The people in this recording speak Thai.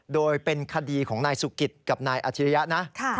โดยเป็นคดีของนายสุกิตกับนายอาชิริยะนะ